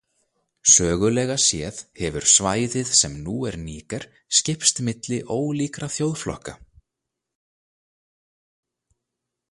Sögulega séð hefur svæðið sem nú er Níger skipst milli ólíkra þjóðflokka.